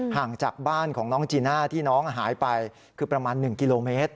ห่างจากบ้านของน้องจีน่าที่น้องหายไปคือประมาณ๑กิโลเมตร